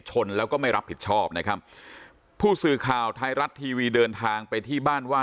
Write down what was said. ชนแล้วก็ไม่รับผิดชอบนะครับผู้สื่อข่าวไทยรัฐทีวีเดินทางไปที่บ้านว่า